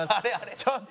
「ちょっと！」